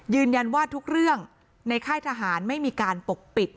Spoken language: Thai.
ทุกเรื่องในค่ายทหารไม่มีการปกปิด